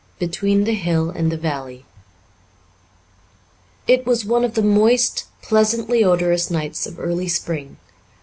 Between the Hill and the Valley It was one of the moist, pleasantly odorous nights of early spring.